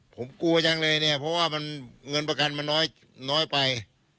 ผมกลัวจังเลยเนี่ยเพราะว่าเงินประกันมันน้อยไป